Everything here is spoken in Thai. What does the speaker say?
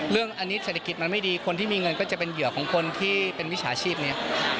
เรื่องนี้เศรษฐกิจมันไม่ดีคนที่มีเงินก็จะเป็นเหยื่อของคนที่เป็นวิชาชีพนี้